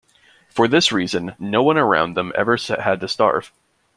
For this reason no one around them ever had to starve.